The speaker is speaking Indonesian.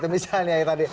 misalnya yang tadi